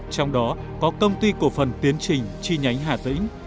trong đó có công ty cổ phần tiến trình chi nhánh hà tĩnh